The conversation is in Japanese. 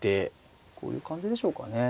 こういう感じでしょうかね。